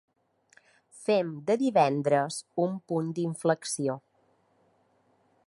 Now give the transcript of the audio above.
Fem de divendres un punt d’inflexió.